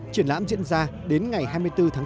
triển lãm diễn ra đến ngày hai mươi bốn tháng năm